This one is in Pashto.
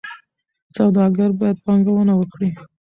سوداګر باید پانګونه وکړي.